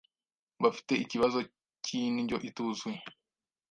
bafite ikibazo cy’indyo ituzuye